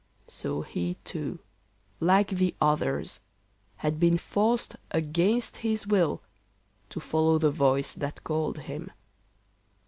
So he too, like the others, had been forced against his will to follow the voice that called him.